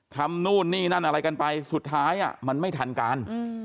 นู่นนี่นั่นอะไรกันไปสุดท้ายมันไม่ทันการ